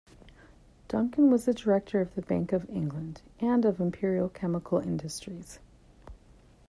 Duncan was a Director of the Bank of England and of Imperial Chemical Industries.